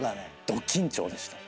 ど緊張でした。